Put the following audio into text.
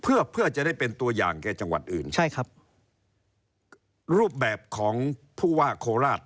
เพื่อจะได้เป็นตัวอย่างแก่จังหวัดอื่นรูปแบบของผู้ว่าโคราช